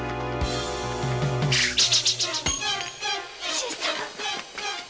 新さん！